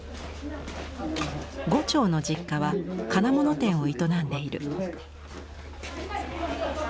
牛腸の実家は金物店を営んでいる。